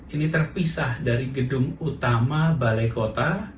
ini terpisah dari gedung utama balai kota